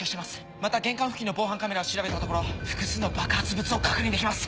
また玄関付近の防犯カメラを調べたところ複数の爆発物を確認できます。